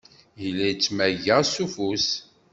Yella yettmagga s ufus.